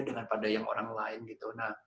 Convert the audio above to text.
dengan pada yang orang lain gitu